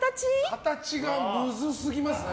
形がむずすぎますね。